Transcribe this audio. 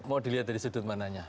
mau dilihat dari sudut mananya